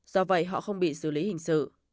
do vậy họ không bị xử lý hình sự